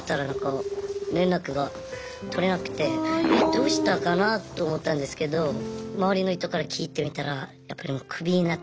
どうしたかなと思ったんですけど周りの人から聞いてみたらやっぱりもうクビになったらしくて。